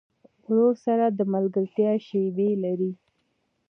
ورور سره د ملګرتیا شیبې لرې.